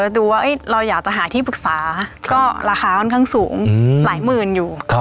ดูว่าเราอยากจะหาที่ปรึกษาก็ราคาค่อนข้างสูงหลายหมื่นอยู่